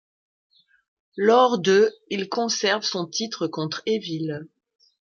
Lors de ', il conserve son titre contre Evil.